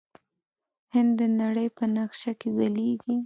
هند د نړۍ په نقشه کې ځلیږي.